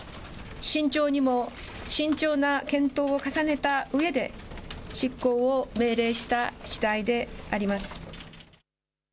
慎重にも慎重な検討を重ねたうえで執行を命令したしだいであります。